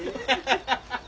ハハハハ。